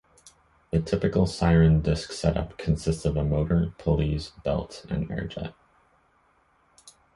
The typical siren disk setup consists of a motor, pulleys, belt, and air jet.